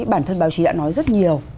bản thân báo chí đã nói rất nhiều